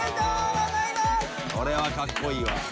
これはかっこいいわ。